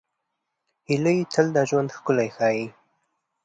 هیلۍ تل د ژوند ښکلا ښيي